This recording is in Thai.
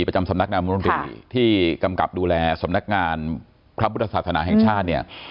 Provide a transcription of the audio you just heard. ประจำสำนักนามนตรีที่กำกับดูแลสำนักงานพระพุทธศาสนาแห่งชาติเนี่ย